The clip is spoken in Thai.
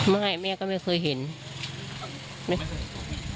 แม่แม่ก็ไม่เคยเห็นไม่เคยเห็น